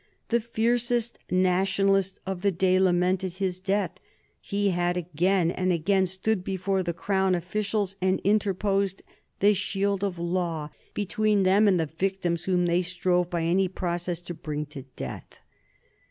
The fiercest nationalist of the day lamented his death. He had again and again stood before the Crown officials and interposed the shield of law between them and the victims whom they strove by any process to bring to death.